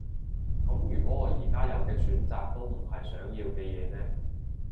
噉如果我而家有嘅選擇都唔係想要嘅嘢呢？